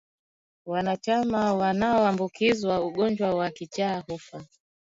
Wanyama wanao ambukizwa ugonjwa wa kichaa hufa